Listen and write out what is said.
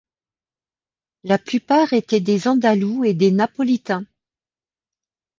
La plupart étaient des andalous et des napolitains.